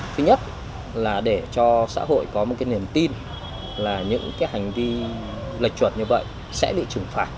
thứ nhất là để cho xã hội có một cái niềm tin là những cái hành vi lệch chuẩn như vậy sẽ bị trừng phạt